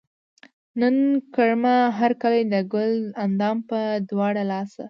نن کړمه هر کلے د ګل اندام پۀ دواړه لاسه